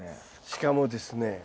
しかもですね